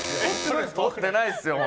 撮ってないっすよ！